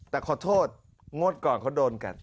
แต่ขอโทษงวดก่อนเขาโดนกัน